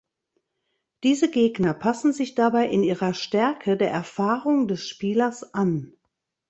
Diese Gegner passen sich dabei in ihrer Stärke der Erfahrung des Spielers an.